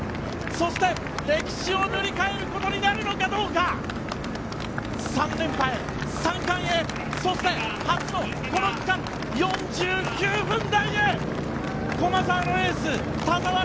そして、歴史を塗り替えることになるのかどうか３連覇へ３冠へそして初のこの区間、４９分台へ駒澤のエース、田澤廉